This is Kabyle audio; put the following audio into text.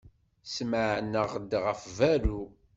Smeɛneɣ-d ɣef berru.